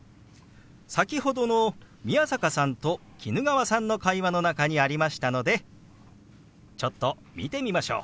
先ほどの宮坂さんと衣川さんの会話の中にありましたのでちょっと見てみましょう。